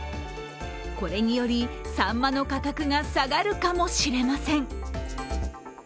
これにより、さんまの価格が下がるかもしれません。